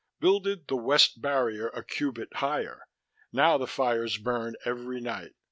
Builded the weft Barrier a cubit higher. Now the fires burn every night.